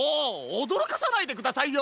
おどろかさないでくださいよ！